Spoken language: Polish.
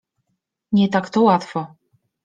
— Nie tak to łatwo.